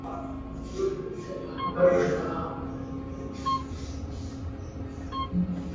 hakuna uchunguzi unaofanywa hakuna ishara kwamba kuna nia